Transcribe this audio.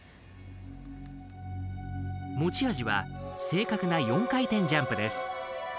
持ち味は正確な４回転ジャンプです。